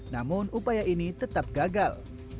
namun upaya ini tetap gagal